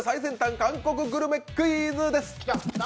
韓国グルメクイズです。